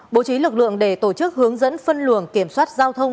bố trí lực lượng để tổ chức hướng dẫn phân luồng kiểm soát giao thông